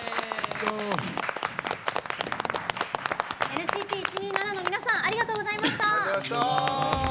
ＮＣＴ１２７の皆さんありがとうございました。